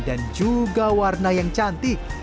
dan juga warna yang cantik